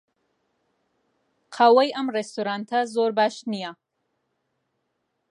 قاوەی ئەم ڕێستۆرانتە زۆر باش نییە.